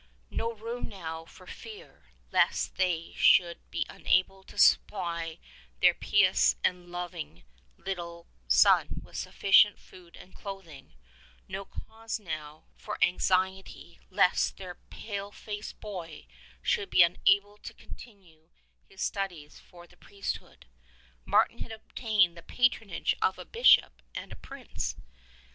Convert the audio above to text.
No room now for fear lest they should be unable to supply their pious and loving little son with sufficient food and clothing ; no cause now for anxi ety lest their pale faced boy should be unable to continue his studies for the priesthood. Martin had obtained the patron age of a Bishop and a prince